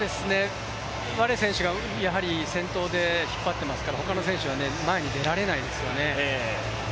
ワレ選手が先頭で引っ張っていますから、ほかの選手は前に出られないですよね。